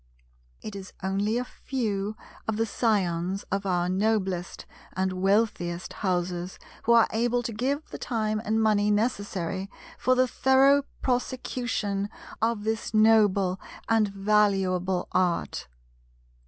It is only a few of the scions of our noblest and wealthiest houses, who are able to give the time and money necessary for the thorough prosecution of this noble and valuable Art.